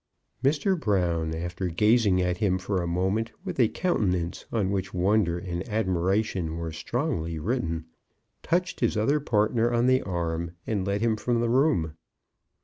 Mr. Brown, after gazing at him for a moment with a countenance on which wonder and admiration were strongly written, touched his other partner on the arm, and led him from the room.